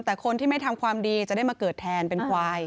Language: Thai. แต่คนที่ไม่ทำความดีจะได้มาเกิดแทนเป็นควาย